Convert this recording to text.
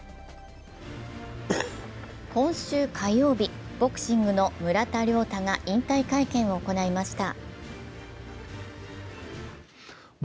今週火曜日、ボクシングの村田諒太が引退会見を行いました。